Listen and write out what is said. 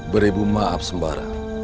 beribu maaf sembara